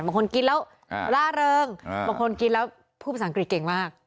บางคนกินแล้วร่าเริงบางคนกินแล้วพูดภาษาอังกฤษเก่งมาก